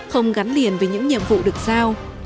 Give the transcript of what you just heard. không gắn liền với những nhiệm vụ được giao